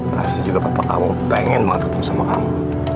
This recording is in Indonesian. pasti juga kakak kamu pengen banget ketemu sama kamu